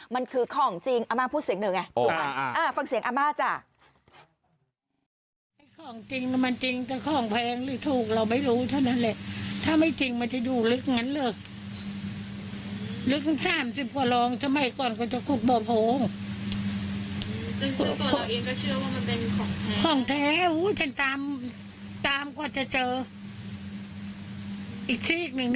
มันคือของจริงอาม่าพูดเสียงหนึ่งไง